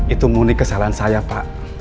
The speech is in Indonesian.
itu murni kesalahan saya pak